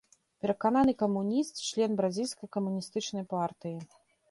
Перакананы камуніст, член бразільскай камуністычнай партыі.